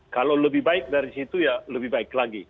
kalau lebih baik dari situ ya lebih baik lagi